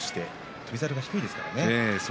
翔猿が低いですからね